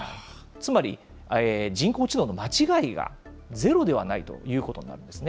つまり人工知能の間違いがゼロではないということなんですね。